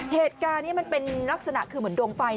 เหตุการณ์นี้มันเป็นลักษณะคือเหมือนดวงไฟ